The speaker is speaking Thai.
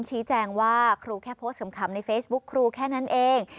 ชี้แจงว่าครูแค่โพสต์ขำในเฟซบุ๊คครูแค่นั้นเอง